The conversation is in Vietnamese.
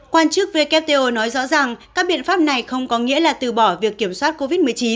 quan chức wto nói rõ rằng các biện pháp này không có nghĩa là từ bỏ việc kiểm soát covid một mươi chín